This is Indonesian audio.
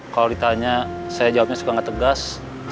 kalau ditanya saya jawabnya suka nggak tegas